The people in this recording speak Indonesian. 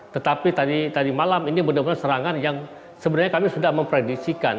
tetapi tadi malam ini benar benar serangan yang sebenarnya kami sudah memprediksikan